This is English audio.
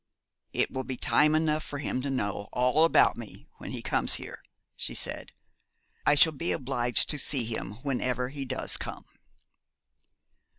'It will be time enough for him to know all about me when he comes here,' she said. 'I shall be obliged to see him whenever he does come.'